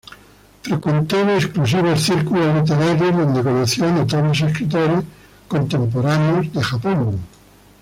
Frecuentó exclusivos círculos literarios donde conoció a notables escritores contemporáneos de Japón.